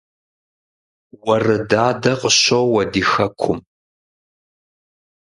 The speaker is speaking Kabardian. Уэрыдадэ къыщоуэ ди хэкум